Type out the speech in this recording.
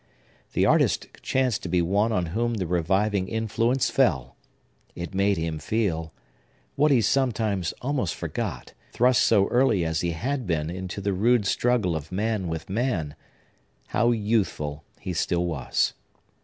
The artist chanced to be one on whom the reviving influence fell. It made him feel—what he sometimes almost forgot, thrust so early as he had been into the rude struggle of man with man—how youthful he still was.